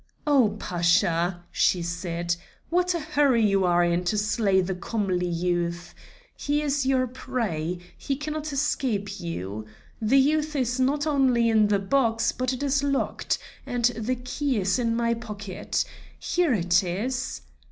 "O Pasha," she said, "what a hurry you are in to slay this comely youth. He is your prey; he cannot escape you. The youth is not only in the box, but it is locked, and the key is in my pocket. Here it is."